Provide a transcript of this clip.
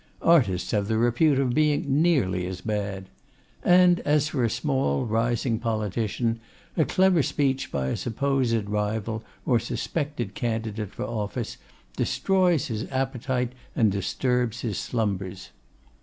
Artists have the repute of being nearly as bad. And as for a small rising politician, a clever speech by a supposed rival or suspected candidate for office destroys his appetite and disturbs his slumbers.